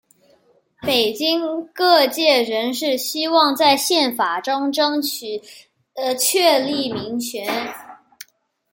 北京各界人士希望在宪法中争取确立民权。